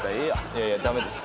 いやいや駄目です。